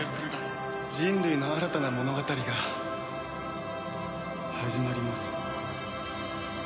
人類の新たな物語が始まります。